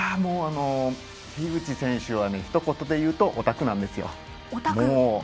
樋口選手は一言でいうとオタクなんですよ。